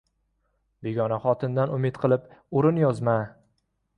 • Begona xotindan umid qilib o‘rin yozma.